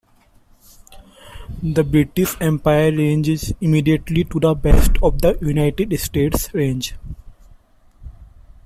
The British Empire Range is immediately to the west of the United States Range.